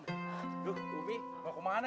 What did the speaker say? aduh bumi mau kemana